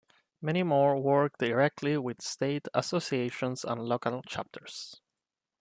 Many more work directly with state associations and local chapters.